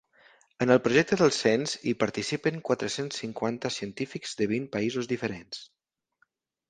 En el projecte del cens hi participen quatre-cents cinquanta científics de vint països diferents.